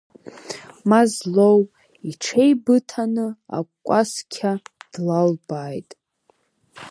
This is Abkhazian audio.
Мазлоу иҽеибыҭаны акәасқьа длалбааит.